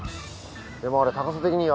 でもあれ高さ的には